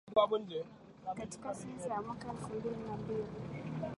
katika sensa ya mwaka elfu mbili na mbili